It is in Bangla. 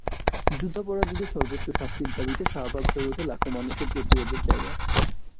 যুদ্ধাপরাধীদের সর্বোচ্চ শাস্তির দাবিতে শাহবাগ হয়ে ওঠে লাখো মানুষের প্রতিবাদের জায়গা।